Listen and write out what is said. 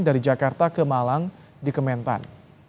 dari jakarta ke malang di kementan